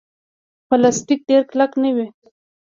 پلاستيک ډېر کلک نه وي.